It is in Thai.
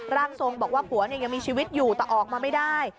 ร่างทรงบอกว่าผัวยังมีชีวิตอยู่แต่ออกมาไม่ได้